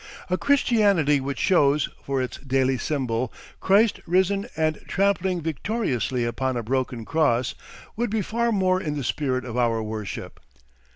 A Christianity which shows, for its daily symbol, Christ risen and trampling victoriously upon a broken cross, would be far more in the spirit of our worship.